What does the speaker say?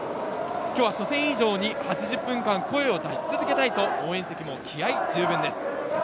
今日は初戦以上に８０分間、声を出し続けたいと応援席も気合十分です。